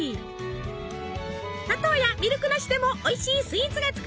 砂糖やミルクなしでもおいしいスイーツが作れる！